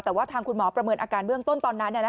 แต่ว่าทางคุณหมอประเมินอาการเบื้องต้นตอนนั้น